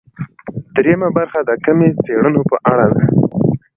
درېیمه برخه د کمي څېړنو په اړه ده.